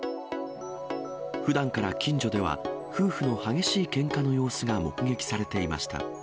ふだんから近所では、夫婦の激しいけんかの様子が目撃されていました。